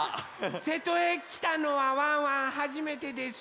瀬戸へきたのはワンワンはじめてです。